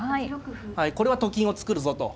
これはと金を作るぞと。